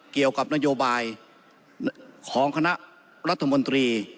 เกี่ยวกับนโยบายของคณะรัฐมนตรี